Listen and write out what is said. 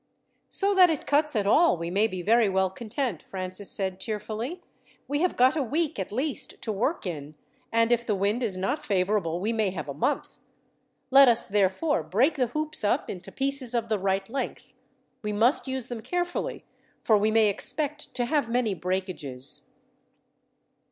"So that it cuts at all, we may be very well content," Francis said cheerfully. "We have got a week, at least, to work in; and if the wind is not favourable, we may have a month. Let us therefore break the hoops up into pieces of the right length. We must use them carefully, for we may expect to have many breakages."